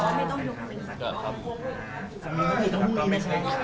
สำเร็จครับไม่ใช่